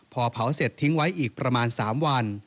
พอเผาเสร็จทิ้งไว้อีกประมาณ๓วัน